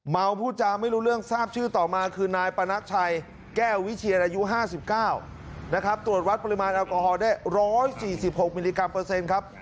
พูดจาไม่รู้เรื่องทราบชื่อต่อมาคือนายปนัดชัยแก้ววิเชียนอายุ๕๙นะครับตรวจวัดปริมาณแอลกอฮอลได้๑๔๖มิลลิกรัมเปอร์เซ็นต์ครับ